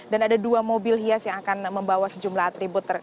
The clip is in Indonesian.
dan ada dua mobil hias yang akan membawa sejumlah atribut